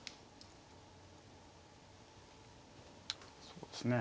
そうですね。